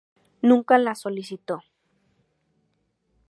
Nunca la solicitó.